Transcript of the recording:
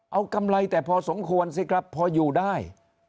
เอากำไรแต่พอสมควรสิครับพออยู่ได้